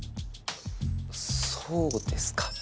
そうですか。